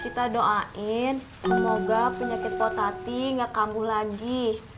kita doain semoga penyakit po tati gak kambuh lagi